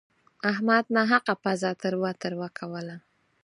احمد ناحقه پزه تروه تروه کوله.